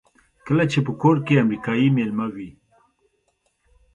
کله چې په کور کې امریکایی مېلمه وي.